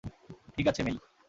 ঠিক আছে, মেই!